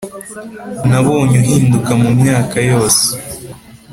nabonye uhinduka mumyaka yose,